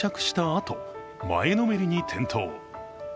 あと前のめりに転倒。